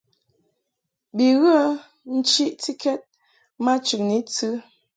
Bi ghə nchiʼtikɛd ma chɨŋni tɨ.